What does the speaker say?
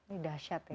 wah ini dahsyat ya